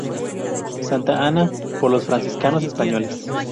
Santa Ana por los franciscanos españoles.